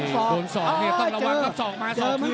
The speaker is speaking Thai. โดนศอกต้องระวังครับศอกมาศอกขึ้น